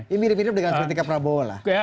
ini mirip mirip dengan seletika prabowo lah